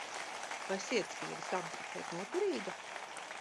Vai sietspiedes apdruka ir noturīga?